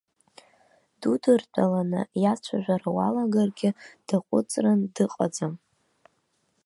Дудыртәаланы иацәажәара уалагаргьы даҟәыҵран дыҟаӡам.